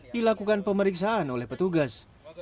dilakukan pemeriksaan oleh petugas